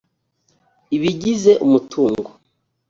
ibigize umutungo